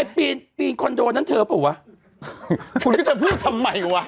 ไอ้ปีนปีนคอนโดนั้นเธอเปล่าวะฮึหาคุณก็จะพูดทำไมวะ